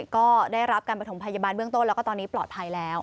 ก็ได้รับการประถมพยาบาลเบื้องต้นแล้วก็ตอนนี้ปลอดภัยแล้ว